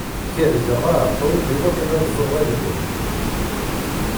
Kerzeɣ aɛerqub iwakken ad ẓẓuɣ irden.